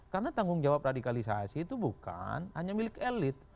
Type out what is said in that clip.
karena tanggung jawab radikalisasi itu bukan hanya milik elit